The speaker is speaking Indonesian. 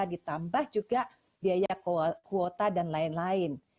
ditambah juga biaya kuota dan lain lain